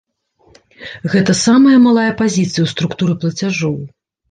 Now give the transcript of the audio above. Гэта самая малая пазіцыя ў структуры плацяжоў.